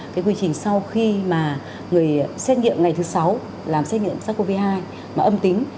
cái quy trình sau khi mà người xét nghiệm ngày thứ sáu làm xét nghiệm sars cov hai mà âm tính